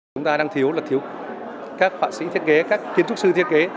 chúng ta đang thiếu là thiếu các họa sĩ thiết kế các kiến trúc sư thiết kế